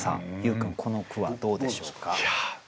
君この句はどうでしょうか？